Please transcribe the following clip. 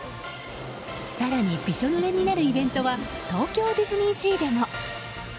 更にびしょぬれになるイベントは東京ディズニーシーでも。